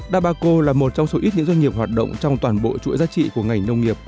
dabaco là một trong số ít những doanh nghiệp hoạt động trong toàn bộ chuỗi giá trị của ngành nông nghiệp